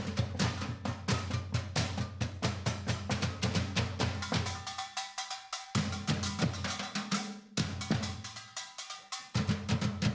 menggantikan teman teman tata lu kan